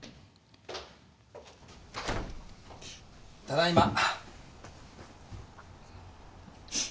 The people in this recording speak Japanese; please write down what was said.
ただいま。